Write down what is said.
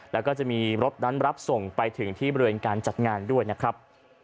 แล้วก็จะมีรถนั้นรับส่งไปถึงที่บริเวณการจัดงานด้วยนะครับ